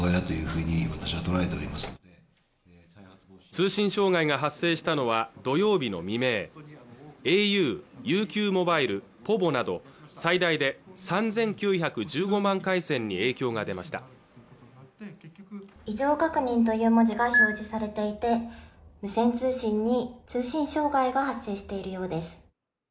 通信障害が発生したのは土曜日の未明ａｕＵＱモバイルｐｏｖｏなど最大で３９１５万回線に影響が出ました異常確認という文字が表示されていて無線通信に通信障害が発生しているようです